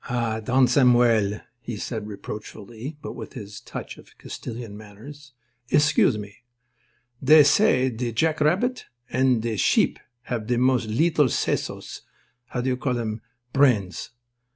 "Ah, Don Samuel," he said, reproachfully, but with his touch of Castilian manners, "escuse me. Dthey say dthe jackrabbeet and dthe sheep have dthe most leetle sesos—how you call dthem—brain es?